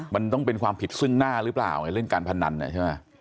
มันต้องเป็นความผิดซึ่งหน้าหรือเปล่าไงเล่นการพนันใช่ไหม